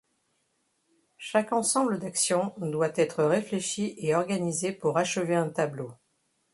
Chaque ensemble d'action doit être réfléchie et organisée pour achever un tableau.